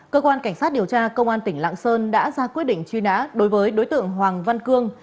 cơ quan cảnh sát điều tra công an tỉnh lạng sơn đã ra quyết định truy nã đối với đối tượng hoàng văn cương